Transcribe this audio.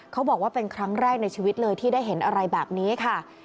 เขาบอกว่าเป็นครั้งแรกในชีวิตเลยที่ได้เห็นอะไรแบบนี้ค่ะ